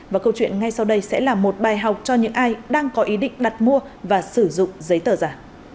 và câu chuyện ngay sau đây sẽ là một bài học cho những ai đang có ý định đặt mua và sử dụng giấy tờ giả